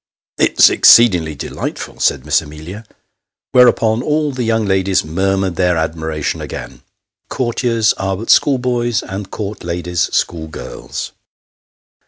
" It's exceedingly delightful !" said Miss Amelia ; whereupon all the young ladies murmured their admiration again. Courtiers are but school boys, and court ladies school girls.